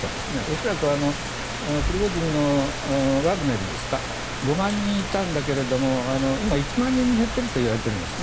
恐らくプリゴジンのワグネルですか５万人いたんだけれども今、１万人に減っているといわれているんです。